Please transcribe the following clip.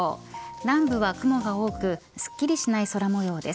南部は雲が多くすっきりしない空模様です。